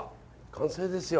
完成ですよ。